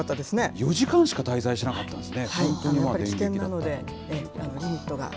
４時間しか滞在しなかったんですね。